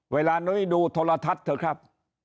นุ้ยดูโทรทัศน์เถอะครับ